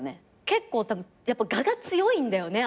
結構やっぱ我が強いんだよね。